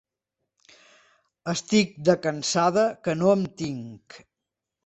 Estic, de cansada, que no em tinc.